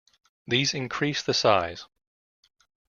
These increase the size.